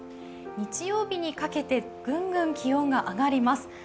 日曜日にかけてぐんぐん気温が上がります。